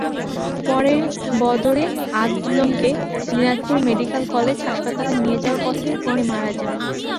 পরে বদরে আলমকে Dinajpur medical college হাসপাতালে নেওয়ার পথে তিনি মারা যান।